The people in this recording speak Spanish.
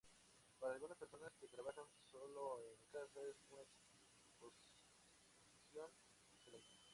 Para algunas personas, que trabajan solos en casa es una opción excelente.